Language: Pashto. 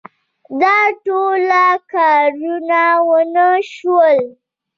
دا ټوله کارونه ونه شول.